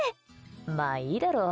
まあ、いいだろう。